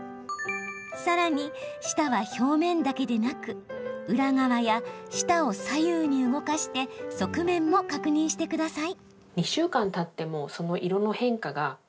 さらに舌は表面だけでなく裏側や、舌を左右に動かして側面も確認してください。